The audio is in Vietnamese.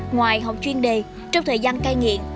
ngoài học chuyên đề trong thời gian cai nghiện